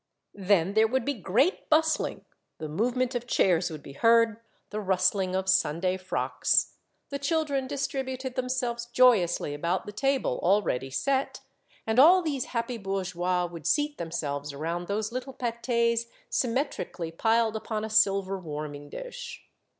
" Then there would be great bustling, the move ment of chairs would be heard, the rustling of Sunday frocks; the children distributed them selves joyously about the table, already set, and all these happy bourgeois would seat themselves The Little Pates, i8i around those little pdt6s symmetrically piled upon a silver warming dish.